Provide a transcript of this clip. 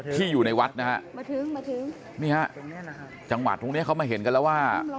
ที่อยู่ในวัดนะฮะเนี่ยฮะจังหวัดทุกนี้เขามาเห็นแล้วว่า